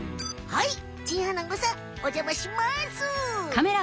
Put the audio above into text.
はいチンアナゴさんおじゃまします。